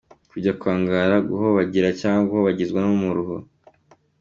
Kujya kwangara = guhobagira cyangwa guhobagizwa n’umuruho.